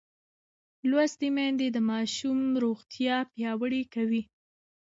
لوستې میندې د ماشوم روغتیا پیاوړې کوي.